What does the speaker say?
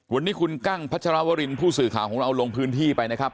วันนี้คุณกั้งพัชรวรินผู้สื่อข่าวของเราลงพื้นที่ไปนะครับ